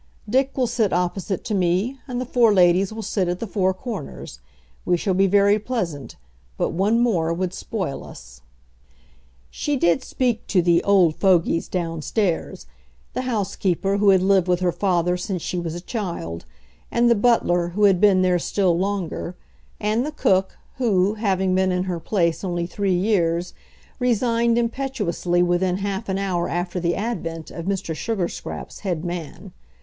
Dick will sit opposite to me, and the four ladies will sit at the four corners. We shall be very pleasant, but one more would spoil us." She did speak to the "old fogies" downstairs, the housekeeper, who had lived with her father since she was a child, and the butler, who had been there still longer, and the cook, who, having been in her place only three years, resigned impetuously within half an hour after the advent of Mr. Sugarscraps' head man.